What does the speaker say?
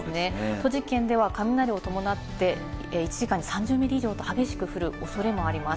栃木県では雷を伴って１時間に３０ミリ以上と激しく降るおそれもあります。